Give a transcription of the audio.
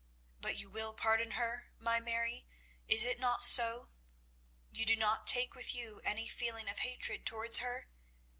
But you will pardon her, my Mary is it not so? You do not take with you any feeling of hatred towards her.